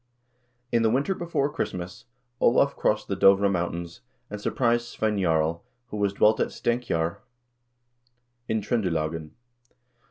In the winter before Christmas, Olav crossed the Dovre Mountains, and surprised Svein Jarl, who dwelt at Stenkjser in Tr0ndelagen.